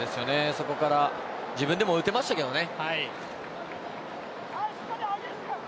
そこから自分でも打てましたけどね。